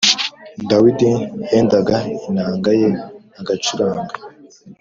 Dawidi yendaga inanga ye agacuranga